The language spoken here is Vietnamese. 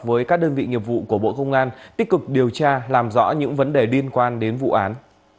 với các đơn vị nghiệp vụ của bộ công an tích cực điều tra làm rõ những vấn đề liên quan đến vụ án